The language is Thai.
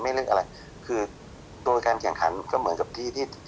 ไม่เรียกอะไรคือโดยการแข่งครรภ์ก็เหมือนกับที่ที่